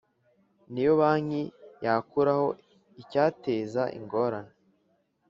N iyo banki yakuraho icyateza ingorane